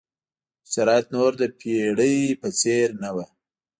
شرایط نور د پېړۍ په څېر نه وو.